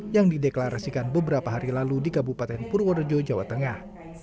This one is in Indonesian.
yang dideklarasikan beberapa hari lalu di kabupaten purworejo jawa tengah